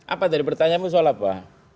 apa dari pertanyaanmu soal apa